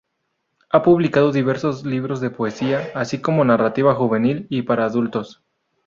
Ha publicado diversos libros de poesía, así como narrativa juvenil y para adultos.